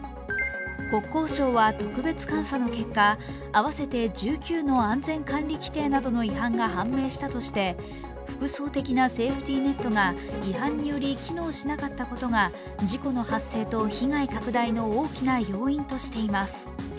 国交省は特別監査の結果合わせて１９の安全管理規程などの違反が判明したとして複層的なセーフティーネットが違反により機能しなかったことが事故の発生と被害拡大の大きな要因としています。